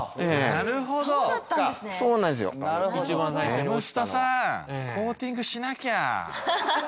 エムスタさんコーティングしなきゃ！